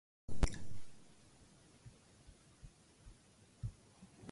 Abassajja tebakyalina buvunanyizibwa.